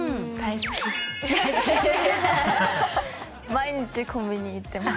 毎日コンビニ行ってます。